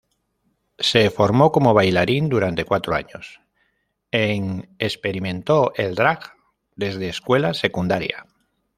Se formó como bailarín durante cuatro años, en experimentó el drag desde escuela secundaria.